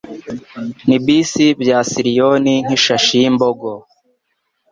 n’ibisi bya Siriyoni nk’ishashi y’imbogo